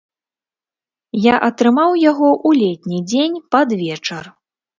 Я атрымаў яго ў летні дзень, пад вечар.